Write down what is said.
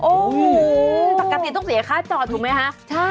โอ้โหปกติต้องเสียค่าจอดถูกไหมคะ